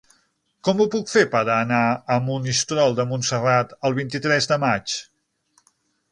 Com ho puc fer per anar a Monistrol de Montserrat el vint-i-tres de maig?